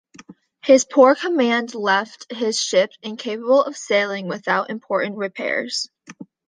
His poor command left his ships incapable of sailing without important repairs.